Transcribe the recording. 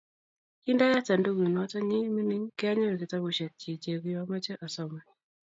Kindayat sandukut noto mining' kianyoru kitabushiek chik che kiamoche asoman